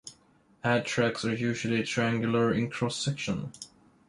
Air tracks are usually triangular in cross-section.